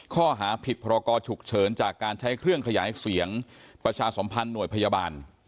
ข้อหาผิดพรกรฉุกเฉินจากการใช้เครื่องขยายเสียงประชาสมพันธ์หน่วยพยาบาล